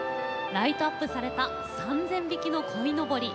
ライトアップされた３０００匹の鯉のぼり。